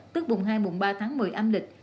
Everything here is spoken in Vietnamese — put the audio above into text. tức bùng hai bùng ba tháng một mươi âm lịch